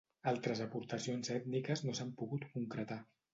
Altres aportacions ètniques no s'han pogut concretar.